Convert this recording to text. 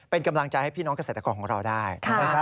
เป็นกำลังใจให้พี่น้องเกษตรกรของเราได้